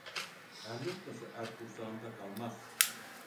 Er lokması er kursağında kalmaz.